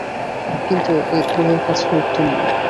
কিন্তু ওদের কাছে উত্তর নেই।